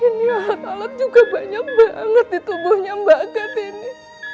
ini alat alat juga banyak banget di tubuhnya mbak gad ini